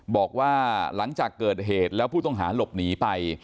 บอกว่าหลังจากเกิดเหตุแล้วผู้ต้องหาหลบหนีไป